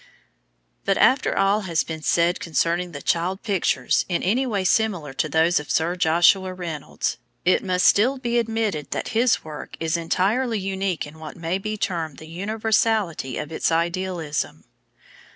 But after all has been said concerning the child pictures in any way similar to those of Sir Joshua Reynolds, it must still be admitted that his work is entirely unique in what may be termed the universality of its idealism.